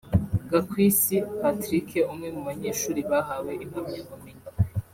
Gakwisi Patrick umwe mu banyeshuli bahawe impamyabumenyi